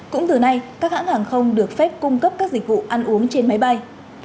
cũng từ nay các hãng hàng không được phép cung cấp các dịch vụ ăn uống trên máy bay